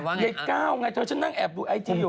ก็แบบเห้ยก้าวไงเธอจะนั่งแอบดูไอจีอยู่